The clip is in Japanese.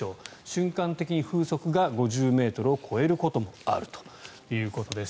瞬間的に風速が５０ｍを超えることもあるということです。